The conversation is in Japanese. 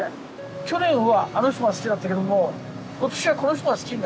「去年はあの人が好きだったけども今年はこの人が好きになった」。